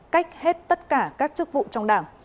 cách hết tất cả các chức vụ trong đảng